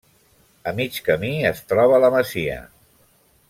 A mig camí es troba la masia.